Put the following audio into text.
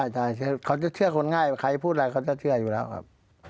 ใช่เขาจะเชื่อคนง่ายใครพูดอะไรเขาจะเชื่ออยู่แล้วครับ